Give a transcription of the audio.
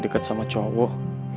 deket sama cowok